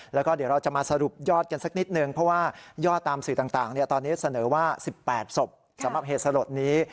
แล้วก็เดี๋ยวเราจะมาสรุปยอดกันสักนิดนึงเพราะว่ายอดตามสื่อต่างตอนนี้เสนอว่า๑๘ศพสำหรับเหตุสลดนี้